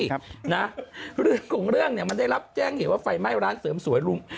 เรื่องของเรื่องเนี่ยมันได้รับแจ้งเหตุว่าไฟไหม้ร้านเสริมสวยลุง